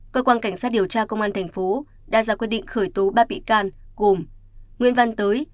cơ quan cảnh sát điều tra công an thành phố đã ra quyết định khởi tố ba bị can gồm nguyễn văn tới